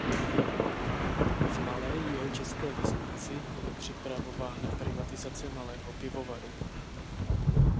V malé jihočeské vesnici je připravována privatizace malého pivovaru.